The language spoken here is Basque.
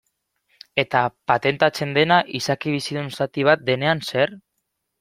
Eta patentatzen dena izaki bizidun zati bat denean zer?